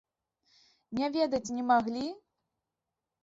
Не ведаць не маглі?